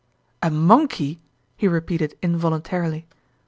" A monkey !" he repeated involuntarily.